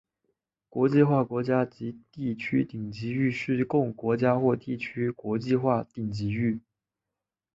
国际化国家及地区顶级域是供国家或地区的国际化顶级域。